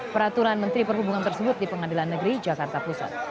peraturan menteri perhubungan tersebut di pengadilan negeri jakarta pusat